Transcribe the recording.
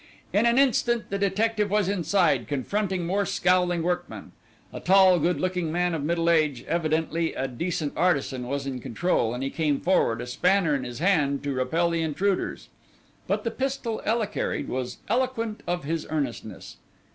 In an instant the detective was inside, confronting more scowling workmen. A tall, good looking man of middle age, evidently a decent artisan, was in control, and he came forward, a spanner in his hand, to repel the intruders. But the pistol Ela carried was eloquent of his earnestness.